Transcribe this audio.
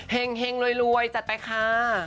แห่งแห่งลวยจัดไปค่า